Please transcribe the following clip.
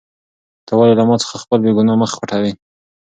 ته ولې له ما څخه خپل بېګناه مخ پټوې؟